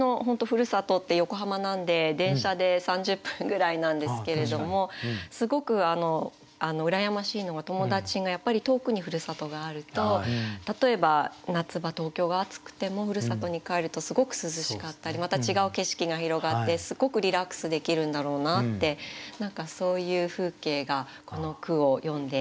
ふるさとって横浜なんで電車で３０分ぐらいなんですけれどもすごく羨ましいのが友達がやっぱり遠くにふるさとがあると例えば夏場東京が暑くてもふるさとに帰るとすごく涼しかったりまた違う景色が広がってすごくリラックスできるんだろうなって何かそういう風景がこの句を読んで浮かんできますね。